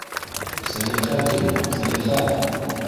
-Сәлихә, тим, Сәлихә!